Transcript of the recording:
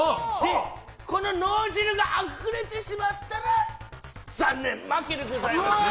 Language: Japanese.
この脳汁があふれてしまったら残念でございます。